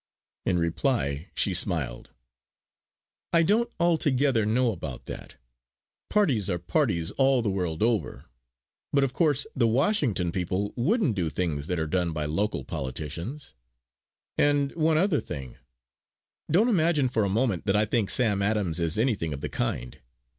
In reply she smiled: "I don't altogether know about that. Parties are parties all the world over. But of course the Washington people wouldn't do things that are done by local politicians. And one other thing. Don't imagine for a moment that I think Sam Adams is anything of the kind.